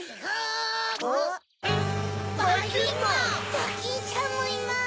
ドキンちゃんもいます！